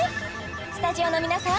スタジオの皆さん